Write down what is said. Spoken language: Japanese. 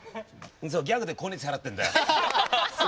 そうギャグで光熱費払ってるんだよ。